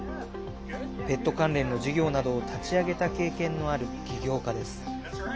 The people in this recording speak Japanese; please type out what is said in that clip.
ペット関連の事業などを立ち上げた経験のある起業家です。